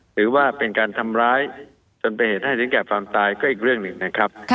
หรือว่าเป็นการทำร้ายจนเป็นเหตุให้ถึงแก่ความตายก็อีกเรื่องหนึ่งนะครับ